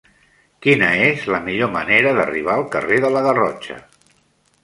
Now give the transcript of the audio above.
Quina és la millor manera d'arribar al carrer de la Garrotxa?